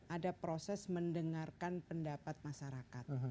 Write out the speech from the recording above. ada proses mendengarkan pendapat masyarakat